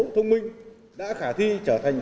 thông minh đã khả thi trở thành